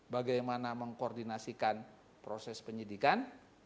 bagaimana mengkoordinasikan proses penyidikan